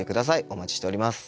お待ちしております。